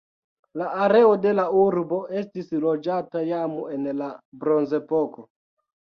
La areo de la urbo estis loĝata jam en la bronzepoko.